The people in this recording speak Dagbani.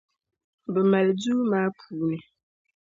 Bɛ mali duu maa puuni?